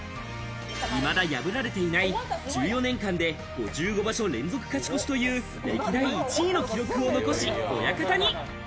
未だ破られていない、１４年間で５５場所連続勝ち越しという歴代１位の記録を残し、親方に。